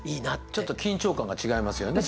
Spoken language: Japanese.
ちょっと緊張感が違いますよね。